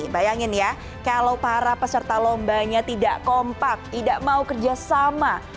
bayangin ya kalau para peserta lombanya tidak kompak tidak mau kerjasama